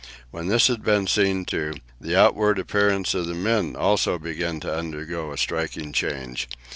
When this had been seen to, the outward appearance of the men also began to undergo a striking change.